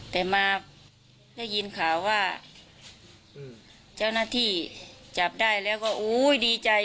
แต่มาได้ยินข่าวว่าเจ้าหน้าที่จับได้แล้วก็โอ้ยดีใจ